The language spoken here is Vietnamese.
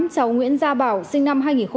cháu nguyễn gia bảo sinh năm hai nghìn một mươi